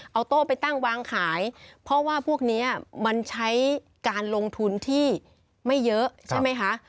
เอาโต้ไปตั้งวางขายเพราะว่าพวกนี้มันใช้การลงทุนที่ไม่เยอะใช่ไหมคะ